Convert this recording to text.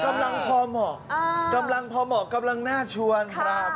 กำลังพอเหมาะกำลังพอเหมาะกำลังน่าชวนครับ